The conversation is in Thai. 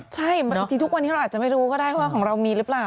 ใช่บางทีทุกวันนี้เราอาจจะไม่รู้ก็ได้ว่าของเรามีหรือเปล่า